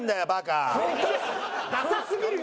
ダサすぎるよ！